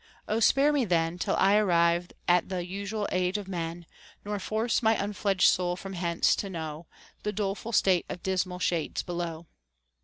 Ο spare me then, Till I arrive at th' usual age of men : Nor force my unfledged soul from hence, to know The doleful state of dismal shades below.